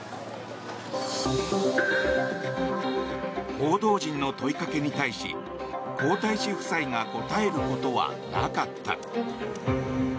報道陣の問いかけに対し皇太子夫妻が答えることはなかった。